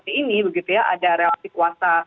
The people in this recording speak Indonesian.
dan seperti ini ada relasi kuasa